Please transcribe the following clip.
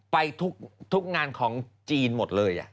ไปทุกงานของจีนหมดเลย